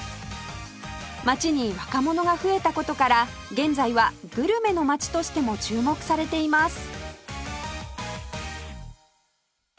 街に若者が増えた事から現在はグルメの街としても注目されています